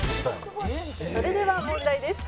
「それでは問題です」